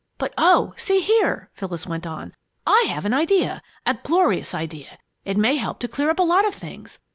"But oh, see here!" Phyllis went on. "I have an idea a glorious idea! It may help to clear up a lot of things.